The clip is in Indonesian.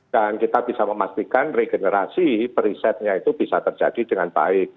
dan kita bisa memastikan regenerasi perisetnya itu bisa terjadi dengan baik